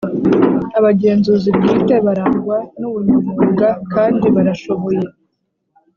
Abagenzuzi bwite barangwa n’ubunyamwuga kandi barashoboye